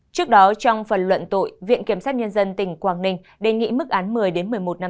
trước đó trong phần luận tội viện kiểm sát nhân dân tỉnh quảng ninh đề nghị mức án một mươi một mươi một năm tù